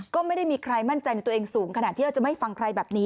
ก็ไม่ได้มีใครมั่นใจในตัวเองสูงขนาดที่เราจะไม่ฟังใครแบบนี้